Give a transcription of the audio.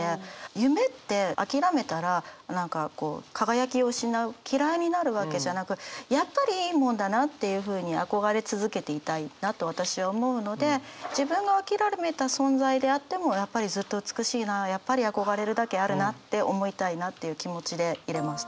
夢って諦めたら何かこう輝きを失う嫌いになるわけじゃなくやっぱりいいもんだなっていうふうに憧れ続けていたいなと私は思うので自分が諦めた存在であってもやっぱりずっと美しいなやっぱり憧れるだけあるなって思いたいなっていう気持ちで入れました。